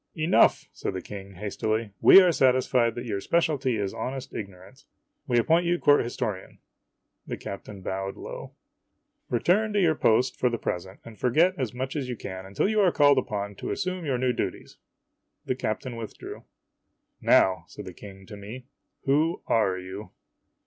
"Enough," said the King, hastily; "we are satisfied that your specialty is honest ignorance. We appoint you Court Historian." The captain bowed low. " Return to your post for the present; and forget as much as you 108784 IOO IMAGINOTIONS can until you are called upon to assume your new duties." The captain withdrew. " Now," said the King to me, " who are you